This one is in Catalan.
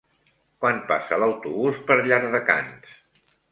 Quan passa l'autobús per Llardecans?